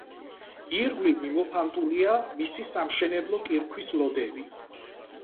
ირგვლივ მიმოფანტულია მისი სამშენებლო კირქვის ლოდები.